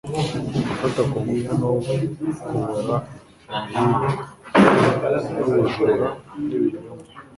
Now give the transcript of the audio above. Gufata ku ngufu no kubora ibihingwa, n'ubujura, n'ibinyoma,